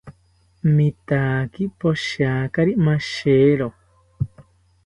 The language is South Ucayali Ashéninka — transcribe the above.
Mitaakimi poshiakari mashero